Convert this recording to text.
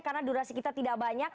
karena durasi kita tidak banyak